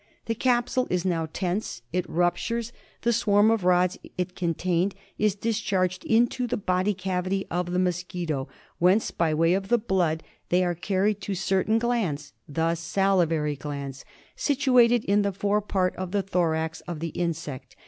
The capsule is now tense. It ruptures. The swarm of rods it contained is discharged into the body cavity of the mosquito, whence, by way of the blood, they are carried to certain glands — the salivary glands — situated in the fore part of the thorax of the insect.